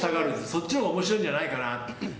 そっちのほうが面白いんじゃないかなって。